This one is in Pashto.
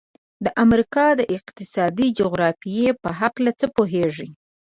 د امریکا د اقتصادي جغرافیې په هلکه څه پوهیږئ؟